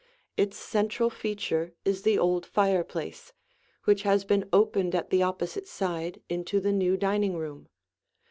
Its central feature is the old fireplace, which has been opened at the opposite side into the new dining room.